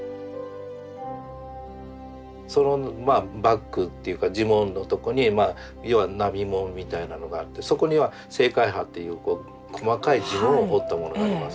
そのバックっていうか地紋のとこに要は波紋みたいなのがあってそこには青海波っていう細かい地紋を彫ったものがあります。